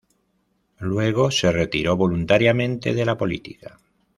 Luego se retiró voluntariamente de la política.